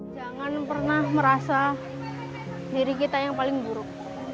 jangan pernah merasa diri kita yang paling buruk